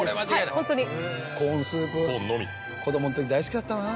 コーンスープ子供のとき大好きだったな。